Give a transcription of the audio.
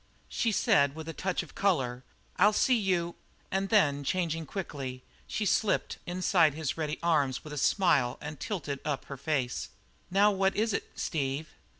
She said with a touch of colour: "I'll see you " and then changing quickly, she slipped inside his ready arms with a smile and tilted up her face. "Now what is it, Steve?"